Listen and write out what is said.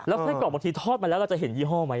ไส้กรอกบางทีทอดมาแล้วเราจะเห็นยี่ห้อไหม